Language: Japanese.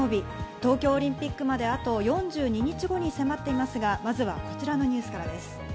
東京オリンピックまで、４２日後に迫っていますが、まずこちらからお伝えします。